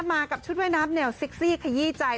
มากับชุดว่ายน้ำแนวเซ็กซี่ขยี้ใจ